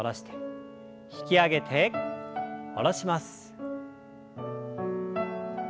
引き上げて下ろします。